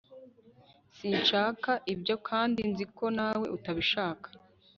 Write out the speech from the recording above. sinshaka ibyo kandi nzi ko nawe utabishaka